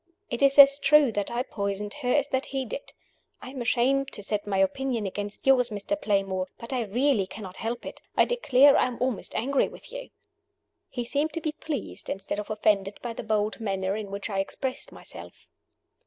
It is as true that I poisoned her as that he did. I am ashamed to set my opinion against yours, Mr. Playmore; but I really cannot help it. I declare I am almost angry with you." He seemed to be pleased, instead of offended by the bold manner in which I expressed myself.